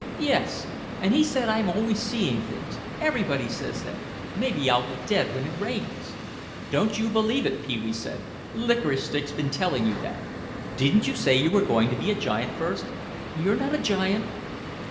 "Yes, and he said I'm always seeing things; everybody says that. Maybe I'll get dead when it rains." "Don't you believe it," Pee wee said; "Licorice Stick's been telling you that. Didn't you say you were going to be a giant first?" "You're not a giant."